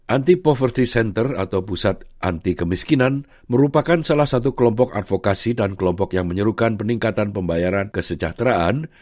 anti property center atau pusat anti kemiskinan merupakan salah satu kelompok advokasi dan kelompok yang menyerukan peningkatan pembayaran kesejahteraan